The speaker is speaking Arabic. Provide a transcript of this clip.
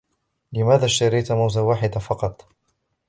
لماذا اشتريت موزة واحدة فقط ؟